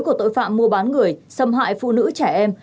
của tội phạm mua bán người xâm hại phụ nữ trẻ em